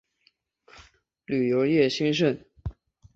旅游业兴盛。